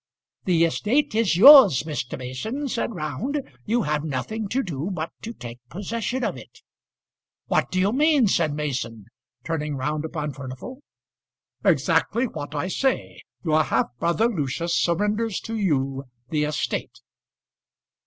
"The estate is yours, Mr. Mason," said Round. "You have nothing to do but to take possession of it." "What do you mean?" said Mason, turning round upon Furnival. "Exactly what I say. Your half brother Lucius surrenders to you the estate."